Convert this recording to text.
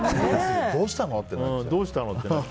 どうしたの？ってなっちゃう。